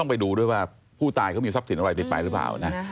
ต้องไปดูด้วยว่าผู้ตายก็มีทรัพย์สิทธิ์อะไรติดไปหรือเปล่า